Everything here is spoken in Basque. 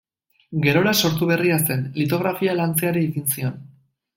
Gerora, sortu berria zen, litografia lantzeari ekin zion.